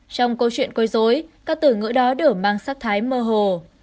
trong câu chuyện quấy dối các từ ngữ đó đều mang sắc thái mơ hồ